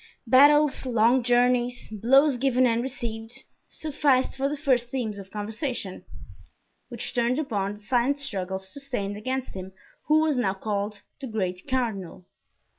Battles, long journeys, blows given and received, sufficed for the first themes of conversation, which turned upon the silent struggles sustained against him who was now called the great cardinal.